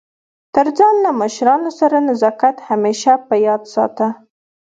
تر ځان له مشرانو سره نزاکت همېشه په یاد ساته!